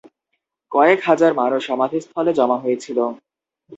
কয়েক হাজার মানুষ সমাধিস্থলে জমা হয়েছিল।